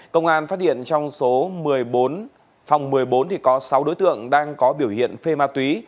công an phát hiện trong số một mươi bốn phòng một mươi bốn có sáu đối tượng đang có biểu hiện phê ma túy